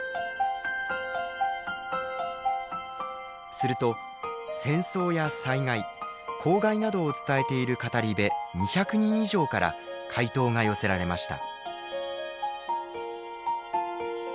すると戦争や災害公害などを伝えている語り部２００人以上から回答が寄せられました。